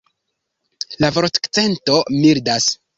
La vortakcento mildas.